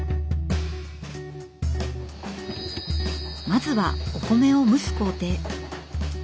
まずはお米を蒸す工程。